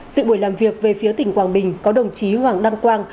sự buổi làm việc về phía tỉnh quảng bình có đồng chí hoàng đăng quang